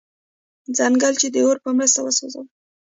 ځنګل یې د اور په مرسته وسوځاوه.